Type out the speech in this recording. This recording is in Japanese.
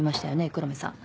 黒目さん